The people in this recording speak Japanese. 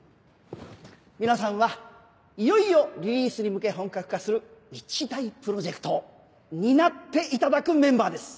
皆さんはいよいよリリースに向け本格化する一大プロジェクトを担っていただくメンバーです。